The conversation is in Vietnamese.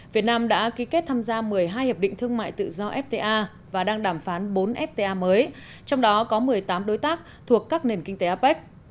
việt nam đã ký kết tham gia một mươi hai hiệp định thương mại tự do fta và đang đàm phán bốn fta mới trong đó có một mươi tám đối tác thuộc các nền kinh tế apec